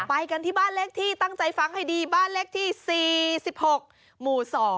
ไปกันที่บ้านเลขที่ตั้งใจฟังให้ดีบ้านเลขที่๔๖หมู่๒